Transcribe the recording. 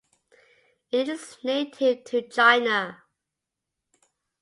It is native to China.